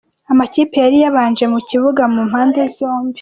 Amakipe yari yabanje mu kibuga ku mpande zombi.